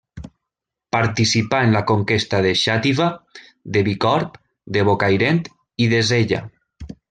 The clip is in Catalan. Participà en la conquesta de Xàtiva, de Bicorb, de Bocairent i de Sella.